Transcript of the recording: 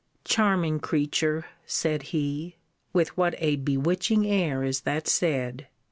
Charming creature! said he, with what a bewitching air is that said!